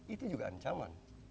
itu juga ancaman